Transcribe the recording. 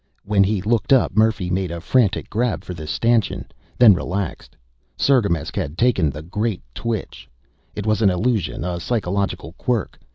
When he looked up, Murphy made a frantic grab for the stanchion, then relaxed. Cirgamesç had taken the Great Twitch. It was an illusion, a psychological quirk.